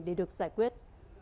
để được giải quyết